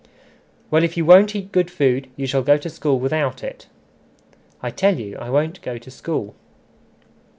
"Well, if you won't eat good food, you shall go to school without it." "I tell you I won't go to school."